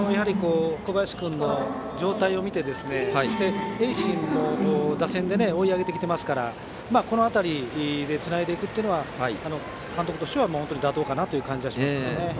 小林君の状態を見て盈進も打線で追い上げてきてますからこの辺りでつないでいくのは監督としては本当に妥当かなという感じです。